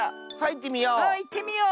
いってみよう。